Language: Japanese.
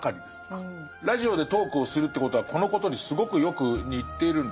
ラジオでトークをするってことはこのことにすごくよく似てるんです。